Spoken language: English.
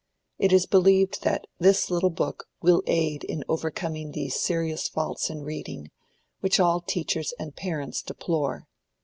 It is believed that this little book will aid in overcoming these serious faults in reading, which all teachers and parents deplore.